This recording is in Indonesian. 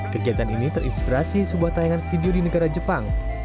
kegiatan ini terinspirasi sebuah tayangan video di negara jepang